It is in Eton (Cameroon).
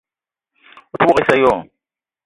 O te ouok issa wo?